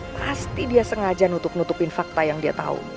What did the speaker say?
pasti dia sengaja nutup nutupin fakta yang dia tahu